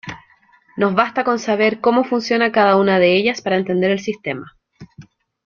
Nos basta con saber cómo funciona cada una de ellas para entender el sistema.